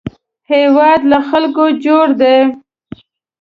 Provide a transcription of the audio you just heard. هېواد له خلکو جوړ دی